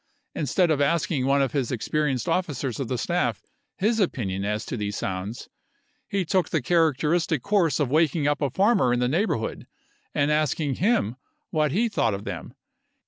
Instead of asking one of the experi enced officers of the staff his opinion as to these sounds, he took the characteristic course of waking up a farmer in the neighborhood and asking him what he thought of them.